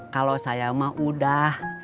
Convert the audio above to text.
kalau saya mah udah